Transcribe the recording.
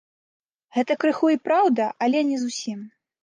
Гэта крыху й праўда, але не зусім.